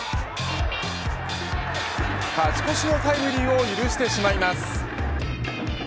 勝ち越しのタイムリーを許してしまいます。